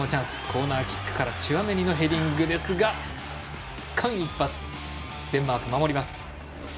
コーナーキックからチュアメニのヘディングですが間一髪、デンマーク守ります。